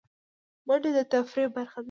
منډه د تفریح برخه ده